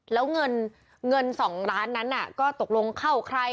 แล้วเงิน๒ล้านนั้นก็ตกลงเข้าใคร